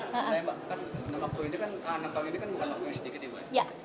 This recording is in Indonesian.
saya mbak kan nama ku ini kan kanan panggilan ini kan bukan nama ku ini sedikit ya mbak